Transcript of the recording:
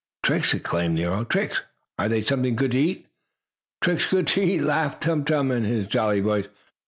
"Tricks!" exclaimed Nero. "Tricks? Are they something good to eat?" "Tricks good to eat!" laughed Tum Tum in his jolly voice.